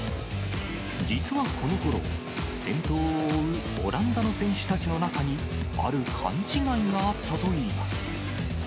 実はこのころ、先頭を追うオランダの選手たちの中に、ある勘違いがあったといいます。